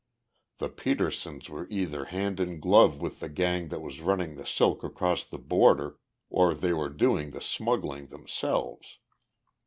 The Petersens were either hand in glove with the gang that was running the silk across the border or they were doing the smuggling themselves.